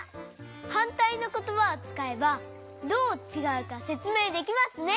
はんたいのことばをつかえばどうちがうかせつめいできますね。